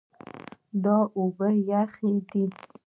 دا اوبه یخې دي.